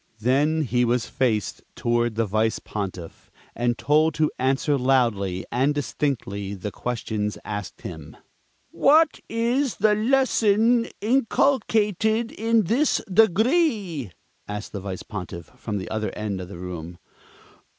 Then he was faced toward the Vice Pontiff, and told to answer loudly and distinctly the questions asked him. "What is the lesson inculcated in this Degree?" asked the Vice Pontiff from the other end of the room.